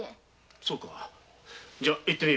そうかじゃ行ってみよう。